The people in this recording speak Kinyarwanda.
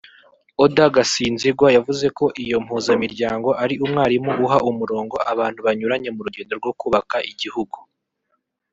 Oda Gasinzigwa yavuze ko iyo mpuzamiryango ari umwarimu uha umurongo abantu banyuranye mu rugendo rwo kubaka igihugu